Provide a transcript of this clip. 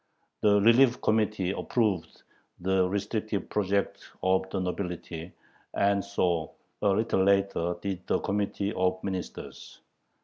The Relief Committee approved the restrictive project of the nobility, and so, a little later, did the Committee of Ministers.